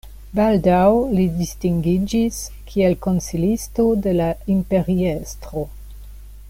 Baldaŭ li distingiĝis kiel konsilisto de la imperiestro.